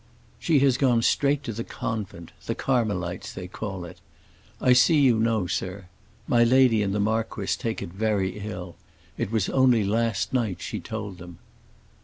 "She has gone straight to the convent—the Carmelites they call it. I see you know, sir. My lady and the marquis take it very ill. It was only last night she told them."